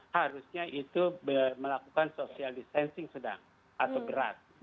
harusnya itu melakukan social distancing sedang atau berat